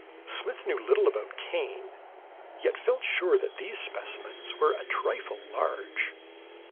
Smith knew little about cane, yet felt sure that these specimens were a trifle large.